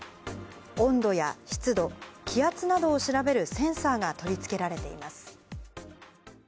温度や湿度、気圧などを調べるセンサーが取り付けられています。